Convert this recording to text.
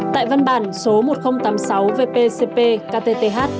tại văn bản số một nghìn tám mươi sáu vpcp ktth